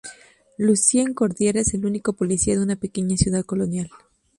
Lucien Cordier es el único policía de una pequeña ciudad colonial.